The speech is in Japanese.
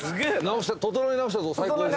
整い直したの最高です。